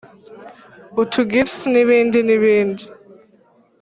utu gifts n’ibindi n’ibindi.